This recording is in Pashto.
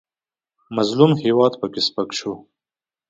مظلوم هېواد پکې سپک شو.